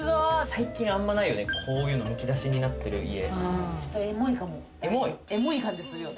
最近あんまりないよね、こういうのが、むき出しになってる家。